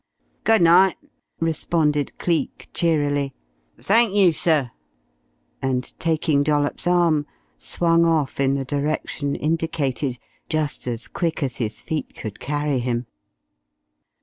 "Good night," responded Cleek cheerily. "Thank you, sir;" and, taking Dollops's arm, swung off in the direction indicated, just as quick as his feet could carry him.